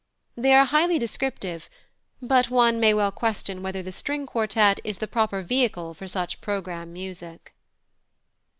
They are highly descriptive, but one may well question whether the string quartet is the proper vehicle for such programme music.